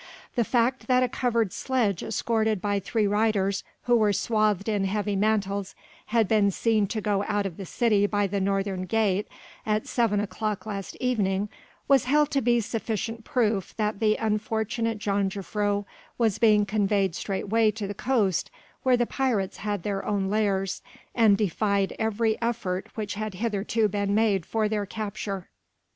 The fact that a covered sledge escorted by three riders who were swathed in heavy mantles had been seen to go out of the city by the northern gate at seven o'clock last evening, was held to be sufficient proof that the unfortunate jongejuffrouw was being conveyed straightway to the coast where the pirates had their own lairs and defied every effort which had hitherto been made for their capture.